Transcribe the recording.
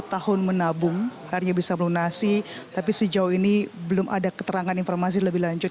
dari sepuluh tahun menabung hari ini bisa melunasi tapi sejauh ini belum ada keterangan informasi lebih lanjut